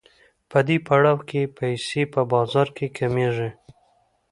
په دې پړاو کې پیسې په بازار کې کمېږي